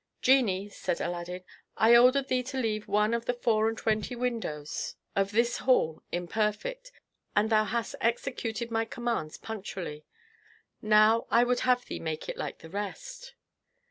"Genie," said Aladdin, "I ordered thee to leave one of the four and twenty windows of this hall imperfect, and thou hast executed my commands punctually; now I would have thee make it like the rest."